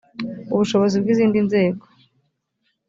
ubushobozi bw izindi nzego